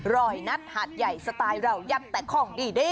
ร้อยนัดหาดใหญ่สไตล์เรายักษ์แต่ของดีเด้